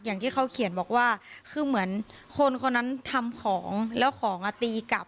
อย่างที่เขาเขียนบอกว่าคือเหมือนคนคนนั้นทำของแล้วของอ่ะตีกลับ